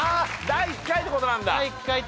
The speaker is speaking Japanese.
第１回ってことなんだ